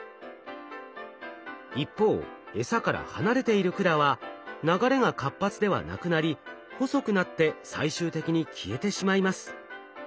一方えさから離れている管は流れが活発ではなくなり細くなって最終的に消えてしまいます。